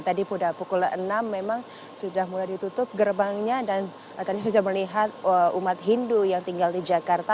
tadi pukul enam memang sudah mulai ditutup gerbangnya dan tadi sudah melihat umat hindu yang tinggal di jakarta